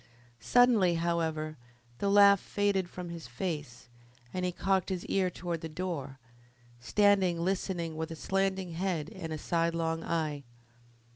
Suddenly, however, the laugh faded from his face, and he cocked his ear towards the door, standing listening with a slanting head and a sidelong eye.